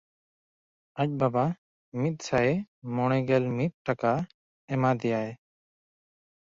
ᱟᱡ ᱵᱟᱵᱟ ᱢᱤᱫᱥᱟᱭ ᱢᱚᱬᱮᱜᱮᱞ ᱢᱤᱫ ᱴᱟᱠᱟ ᱮᱢᱟ ᱫᱮᱭᱟᱭ᱾